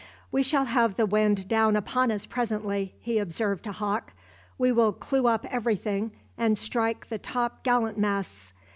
"We shall have the wind down upon us presently," he observed to Hawke. "We will clue up every thing, and strike the topgallant masts.